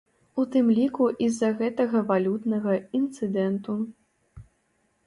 У тым ліку і з-за гэтага валютнага інцыдэнту.